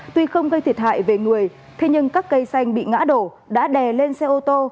tuy không gây thiệt hại về người thế nhưng các cây xanh bị ngã đổ đã đè lên xe ô tô